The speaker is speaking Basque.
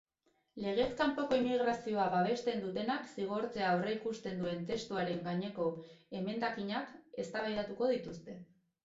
Legez kanpoko immigrazioa babesten dutenak zigortzea aurreikusten duen testuaren gaineko emendakinak eztabaidatuko dituzte.